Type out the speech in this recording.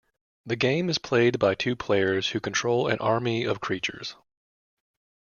The game is played by two players who control an army of creatures.